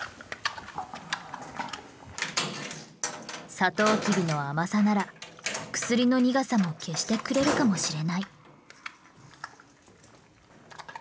サトウキビの甘さなら薬の苦さも消してくれるかもしれない。